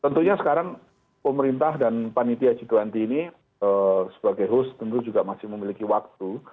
tentunya sekarang pemerintah dan panitia g dua puluh ini sebagai host tentu juga masih memiliki waktu